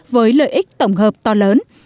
với lợi ích tổng hợp to lớn